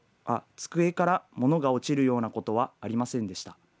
机から物が落ちるようなことはありませんでした。